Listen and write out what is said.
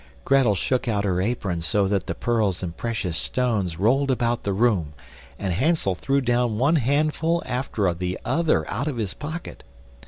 Grettel shook out her apron so that the pearls and precious stones rolled about the room, and Hansel threw down one handful after the other out of his pocket.